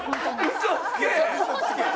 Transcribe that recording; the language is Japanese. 嘘つけ！